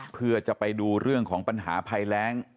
เพื่อจะไปดูเรื่องของปัญหาภัยแรง